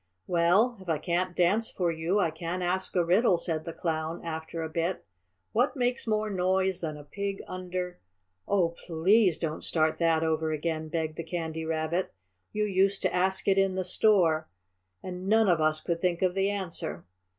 "Well, if I can't dance for you, I can ask a riddle," said the Clown, after a bit. "What makes more noise than a pig under " "Oh, PLEASE don't start that over again," begged the Candy Rabbit. "You used to ask it in the store, and none of us could think of the answer.